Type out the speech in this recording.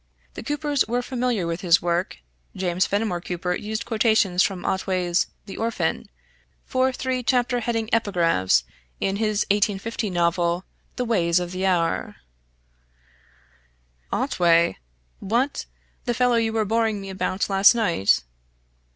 The Coopers were familiar with his work; James Fenimore Cooper used quotations from Otway's "The Orphan" for three chapter heading epigraphs in his 1850 novel, "The Ways of the Hour"} "Otway? What, the fellow you were boring me about last night?"